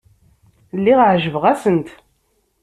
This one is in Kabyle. Lliɣ ɛejbeɣ-asent.